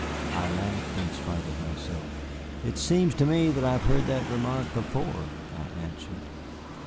I laughed in spite of myself. "It seems to me that I have heard that remark before," I answered.